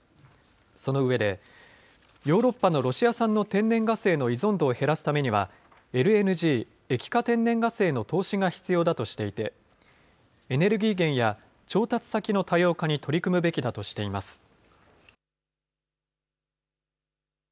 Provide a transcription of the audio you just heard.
その上で、ヨーロッパのロシア産の天然ガスへの依存度を減らすためには、ＬＮＧ・液化天然ガスへの投資が必要だとしていて、エネルギー源や調達先の多様化に取り組むべきだとしています。